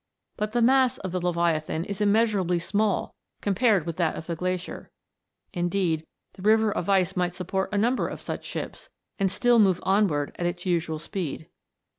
But the mass of the Leviathan is immeasurably small compared with that of the glacier ; indeed, the river of ice might siipport a number of such ships, and still move onward at its usual speed.